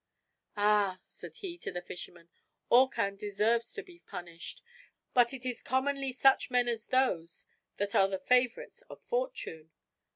"Ah!" said he to the fisherman, "Orcan deserves to be punished; but it is commonly such men as those that are the favorites of fortune.